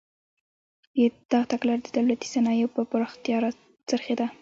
دا تګلاره د دولتي صنایعو پر پراختیا راڅرخېده.